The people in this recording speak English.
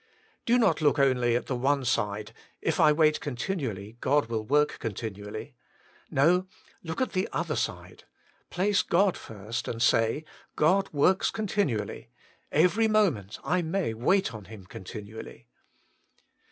Do not look only at the one side :* If I wait continually, God will work continually.' No, look at the other side. Place God first and say, * God works continually, every moment I may wait on Him continually.'